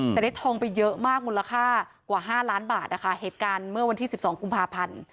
แต่ได้ทองไปเยอะมากมูลค่ากว่า๕ล้านบาทนะคะเหตุการณ์เมื่อวันที่๑๒กุมภาพันธ์